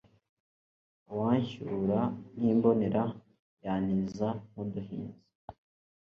Uwancyura nk' imbonera yantiza nk,uduhinzi